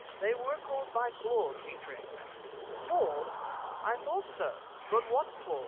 They were caused by claws, Petrie!" "Claws! I thought so! But what claws?"